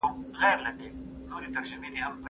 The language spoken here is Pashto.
پردۍ ښځه بايد د نارينه څنګ ته ناسته نه وي.